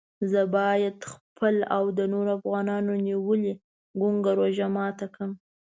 زه باید خپله او د نورو افغانانو نیولې ګونګه روژه ماته کړم.